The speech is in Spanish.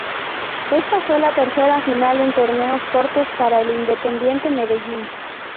Esta fue la tercera final en torneos cortos para el Independiente Medellín.